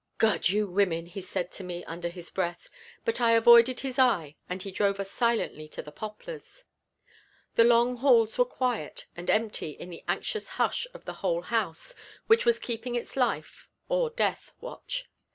"God, you women!" he said to me under his breath, but I avoided his eye and he drove us silently to the Poplars. The long halls were quiet and empty in the anxious hush of the whole house which was keeping its life or death watch.